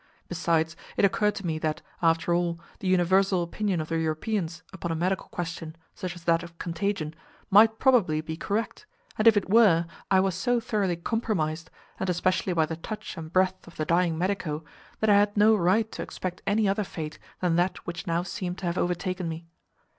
Besides, it occurred to me that, after all, the universal opinion of the Europeans upon a medical question, such as that of contagion, might probably be correct, and if it were, I was so thoroughly "compromised," and especially by the touch and breath of the dying medico, that I had no right to expect any other fate than that which now seemed to have overtaken me.